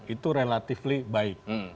itu relatif baik